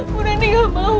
bu nani gak mau